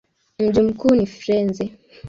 Mji mkuu ni Firenze.